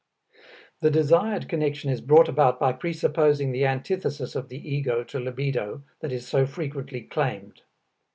The desired connection is brought about by presupposing the antithesis of the ego to libido that is so frequently claimed.